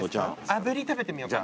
炙り食べてみようかな。